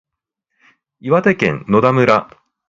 岩手県野田村